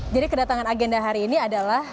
jadi kedatangan agenda hari ini adalah